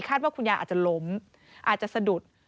ว่าคุณยายอาจจะล้มอาจจะสะดุด